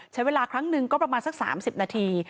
ใช้เวลาครั้งหนึ่งก็ประมาณสัก๓๐นาที